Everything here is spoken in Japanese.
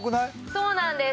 そうなんです